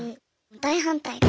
大反対で。